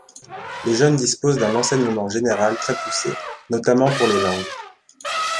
Les jeunes disposent d'un enseignement général très poussé, notamment pour les langues.